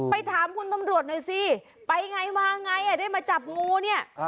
ถามคุณตำรวจหน่อยสิไปไงมาไงได้มาจับงูเนี่ย